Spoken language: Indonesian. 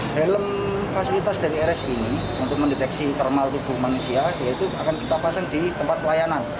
helm fasilitas dari rs ini untuk mendeteksi thermal tubuh manusia yaitu akan kita pasang di tempat pelayanan